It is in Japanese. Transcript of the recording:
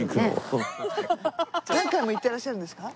何回も行ってらっしゃるんですか？